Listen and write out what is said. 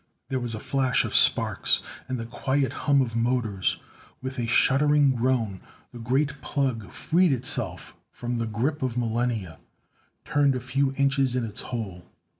There was a flash of sparks, and the quiet hum of motors. With a shuddering groan the great plug freed itself from the grip of millennia; turned a few inches in its hole.